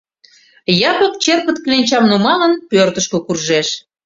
Япык, черпыт кленчам нумалын, пӧртышкӧ куржеш.